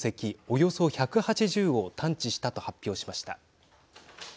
およそ１８０を探知したと発表しました。